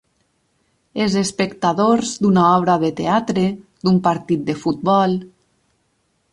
Els espectadors d'una obra de teatre, d'un partit de futbol.